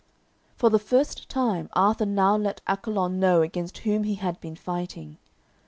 For the first time Arthur now let Accolon know against whom he had been fighting.